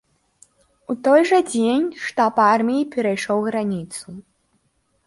У той жа дзень штаб арміі перайшоў граніцу.